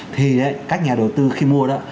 thì các nhà đầu tư khi mua